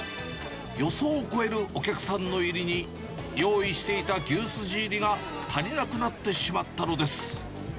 予想を超えるお客さんの入りに、用意していた牛すじ入りが足りなくなってしまったのです。